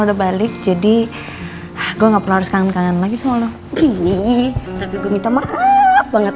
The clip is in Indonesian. udah balik jadi gua nggak perlu kangen kangen lagi soalnya ini tapi gue minta maaf banget